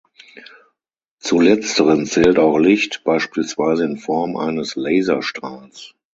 Zu letzteren zählt auch Licht, beispielsweise in Form eines Laserstrahls.